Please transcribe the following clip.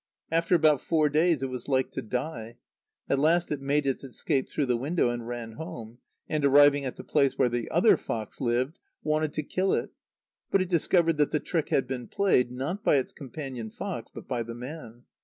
After about four days it was like to die. At last it made its escape through the window and ran home; and, arriving at the place where the other fox lived, wanted to kill it. But it discovered that the trick had been played, not by its companion fox, but by the man.